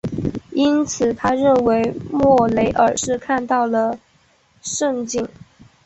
因此他认为莫雷尔是看到了蜃景。